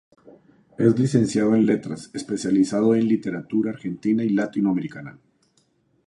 Es licenciado en Letras, especializado en literatura argentina y latinoamericana.